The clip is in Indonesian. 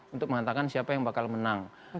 untuk mengatakan siapa yang bakal menang